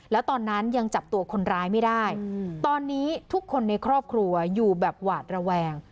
แล้วตอนนั้นยังจับตัวคนร้ายไม่ได้ตอนนี้ทุกคนในครอบครัวอยู่แบบหวาดระแวง